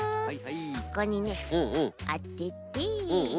ここにねあてて。